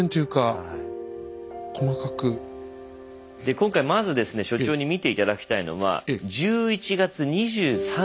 今回まずですね所長に見て頂きたいのは１１月２３日。